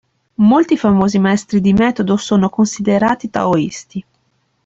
Molti famosi "Maestri di metodo" sono considerati Taoisti.